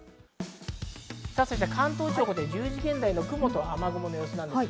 関東地方、１０時現在の雲と雨雲の様子です。